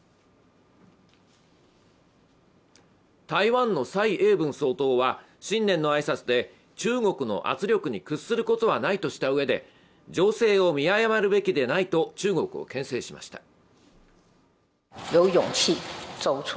台湾の蔡英文総統は、新年の挨拶で、中国の圧力に屈することはないとしたうえで情勢を見誤るべきでないと中国を牽制しました。